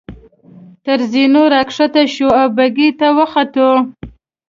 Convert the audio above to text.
تر زینو را کښته شوو او بګۍ ته وختو.